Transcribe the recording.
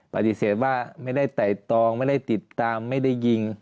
ปฏิเสธว่าไม่ได้ไต่ตองไม่ได้ติดตามไม่ได้ยิง